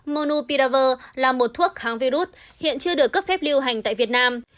monopiravir là một thuốc kháng virus hiện chưa được cấp phép lưu hành tại việt nam